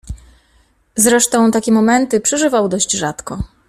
"Zresztą takie momenty przeżywał dość rzadko."